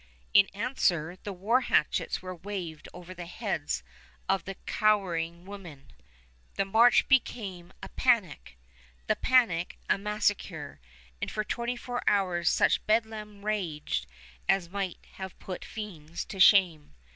In answer, the war hatchets were waved over the heads of the cowering women. The march became a panic; the panic, a massacre; and for twenty four hours such bedlam raged as might have put fiends to shame.